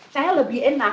saya lebih enak